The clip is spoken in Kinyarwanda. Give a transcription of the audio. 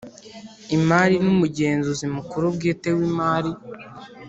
Imari N Umugenzuzi Mukuru Bwite W Imari